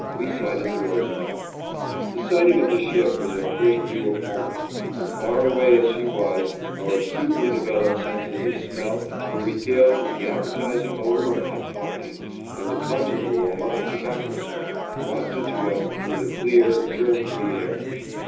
we sighted the Roosevelt. The sighting of the ship was our first view of home, and far away as she was, our acutely developed senses of smell were regaled with the appetizing odor of hot coffee, and the pungent aroma of tobacco smoke, wafted to us through the clear, germ free air.